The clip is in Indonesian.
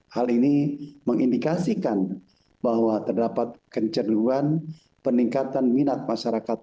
hal ini mengindikasikan bahwa terdapat kecenderungan peningkatan minat masyarakat